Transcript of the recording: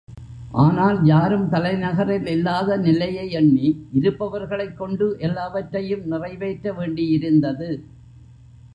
ஆனால் யாரும் தலைநகரில் இல்லாத நிலையை எண்ணி இருப்பவர்களைக் கொண்டு எல்லாவற்றையும் நிறைவேற்ற வேண்டியிருந்தது.